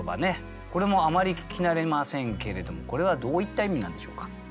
これもあまり聞き慣れませんけれどもこれはどういった意味なんでしょうか。